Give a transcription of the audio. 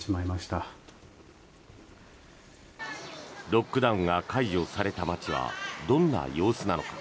ロックダウンが解除された街はどんな様子なのか。